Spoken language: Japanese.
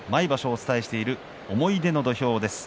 お伝えしている「思い出の土俵」です。